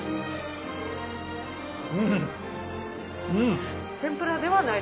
うんうん。